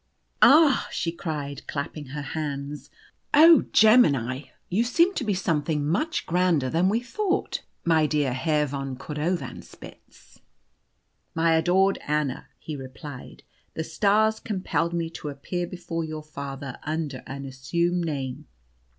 "Ah!" she cried clapping her hands. "Oh, Gemini! You seem to be something much grander than we thought, my dear Herr von Cordovanspitz." "My adored Anna," he replied, "the stars compelled me to appear before your father under an assumed name.